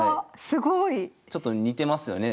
すごい！ちょっと似てますよね。